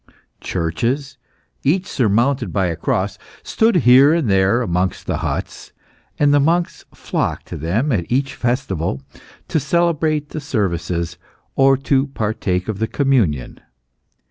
Churches, each surmounted by a cross, stood here and there amongst the huts, and the monks flocked to them at each festival to celebrate the services or to partake of the Communion.